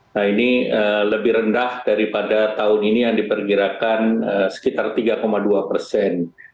nah ini lebih rendah daripada tahun ini yang diperkirakan sekitar tiga dua persen